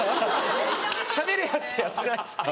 しゃべるやつやってないですか？